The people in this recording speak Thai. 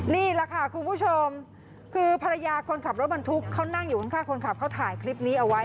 นี่แหละค่ะคุณผู้ชมคือภรรยาคนขับรถบรรทุกเขานั่งอยู่ข้างคนขับเขาถ่ายคลิปนี้เอาไว้